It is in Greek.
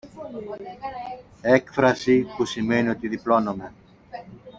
έκφραση που σημαίνει ότι διπλώνομαι